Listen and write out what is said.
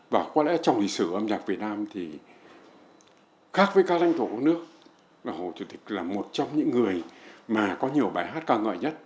và có lẽ trong lịch sử âm nhạc việt nam thì khác với các danh tổ nước hồ chủ tịch là một trong những người mà có nhiều bài hát cao ngợi nhất